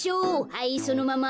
はいそのまま。